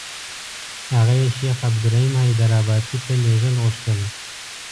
هغه یې شیخ عبدالرحیم حیدارآبادي ته لېږل غوښتل.